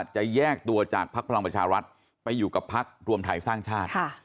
จะแยกตัวจากภักดิ์พลังประชารัฐไปอยู่กับพักรวมไทยสร้างชาติ